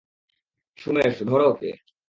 সুমেশ, ধর ওকে।